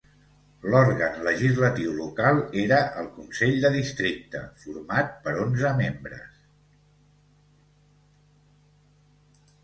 L'òrgan legislatiu local era el Consell de Districte, format per onze membres.